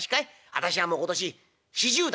私はもう今年４０だ」。